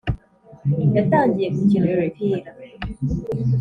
yatangiye gukina umupira